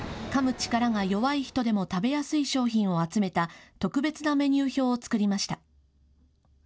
力が弱い人でも食べやすい商品を集めた特別なメニュー表を作りました。